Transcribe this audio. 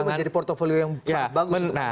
dan itu menjadi portfolio yang sangat bagus